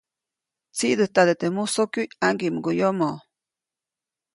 Tsiʼdäjtade teʼ musokyuʼy ʼaŋgiʼmguʼyomo.